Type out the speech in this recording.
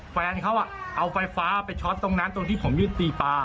แฟนเขาเอาไฟฟ้าไปช็อตตรงนั้นตรงที่ผมยึดตีปลา